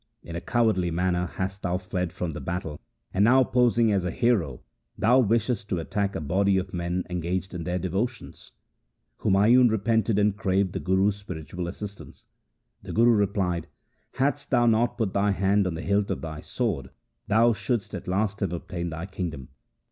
In a cowardly manner hast thou fled from the battle, and now posing as a hero thou wishest to attack a body of men engaged in their devotions.' Humayun repented and craved the Guru's spiritual assistance. The Guru replied :' Hadst thou not put thy hand on the hilt of thy sword, thou shouldst at once have obtained thy kingdom.